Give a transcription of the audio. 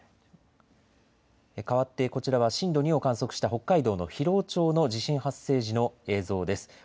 かわってこちらは震度２を観測した北海道の広尾町の地震発生時の映像です。